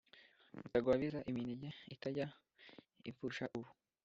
rutagwabiza iminega: itajya ipfusha ub